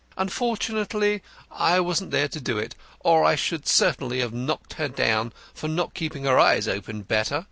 Unfortunately, I wasn't there to do it, or I should certainly have knocked her down for not keeping her eyes open better.